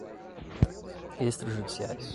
extrajudiciais